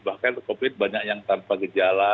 bahkan covid banyak yang tanpa gejala